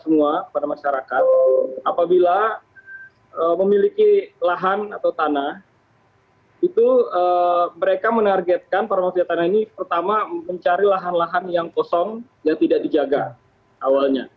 mereka mencari lahan lahan yang kosong dan tidak dijaga awalnya